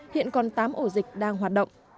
hiện còn tám ổ dịch đang hoạt động